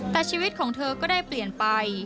แต่ชีวิตของเธอก็ได้เปลี่ยนไป